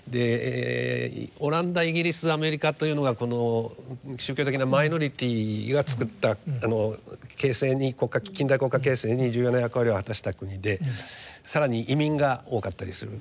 オランダイギリスアメリカというのが宗教的なマイノリティーが作った形成に近代国家形成に重要な役割を果たした国で更に移民が多かったりする。